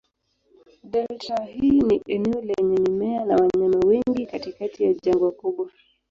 Delta hii ni eneo lenye mimea na wanyama wengi katikati ya jangwa kubwa.